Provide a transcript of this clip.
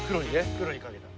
黒に賭けた。